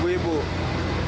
sampai jumpa you bank